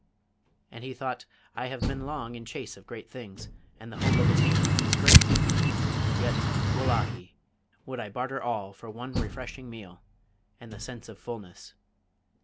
And he thought, 'I have been long in chase of great things, and the hope of attaining them is great; yet, wullahy! would I barter all for one refreshing meal, and the sense of fulness.